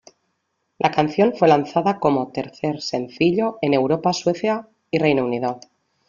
La canción fue lanzada como tercer sencillo en Europa, Suecia y Reino Unido.